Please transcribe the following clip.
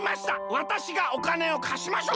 わたしがおかねをかしましょう！